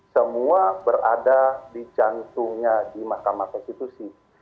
semua berada di jantungnya di mahkamah konstitusi